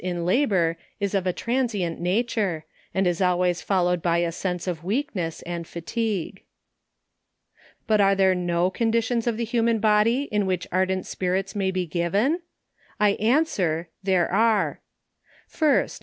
tO ON THE EFFECTS 01 labour, is of a transient nature, and is always followed by a sense of weakness and fatigue. But are there no conditions of the human body in which ar dent spirits may be given? I answer, there are, 1st.